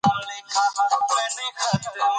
په وريژو کښې د چرګ غوښه واچوه